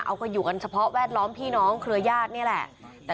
เอาก็อยู่กันเฉพาะแวดล้อมพี่น้องเครือญาตินี่แหละ